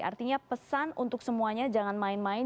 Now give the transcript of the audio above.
artinya pesan untuk semuanya jangan main main